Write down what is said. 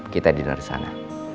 kita diner disana